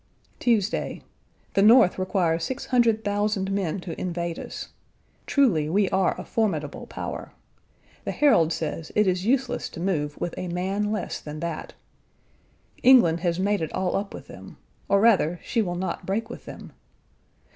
Tuesday. The North requires 600,000 men to invade us. Truly we are a formidable power! The Herald says it is useless to move with a man less than that. England has made it all up with them, or rather, she will not break with them.